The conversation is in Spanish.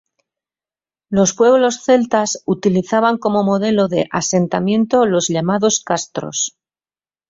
Los pueblos celtas utilizaban como modelo de asentamiento los llamados castros.